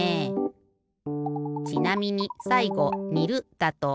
ちなみにさいごにるだと。